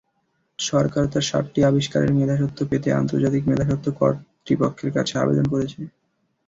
সরকার তাঁর সাতটি আবিষ্কারের মেধাস্বত্ব পেতে আন্তর্জাতিক মেধাস্বত্ব কর্তৃপক্ষের কাছে আবেদন করেছে।